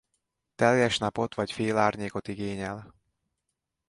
Teljes napot vagy félárnyékot igényel.